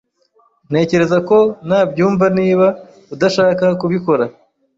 Ntekereza ko, Nabyumva niba udashaka kubikora.